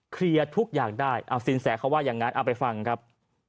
เคลียร์ทุกอย่างได้เอาสินแสเขาว่าอย่างนั้นเอาไปฟังครับ